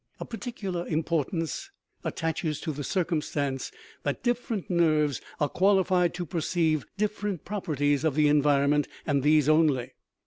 A particular importance attaches to the circumstance that different nerves are qualified to perceive different properties of the environment, and these only.